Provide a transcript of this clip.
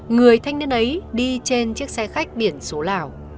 người thanh niên ấy đi trên chiếc xe khách biển số lào